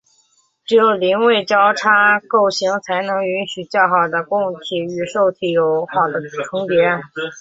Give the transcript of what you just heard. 只有邻位交叉构型才能允许较好的供体与受体有好的重叠。